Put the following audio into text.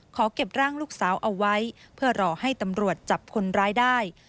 เก็บร่างลูกสาวเอาไว้เพื่อรอให้ตำรวจจับคนร้ายได้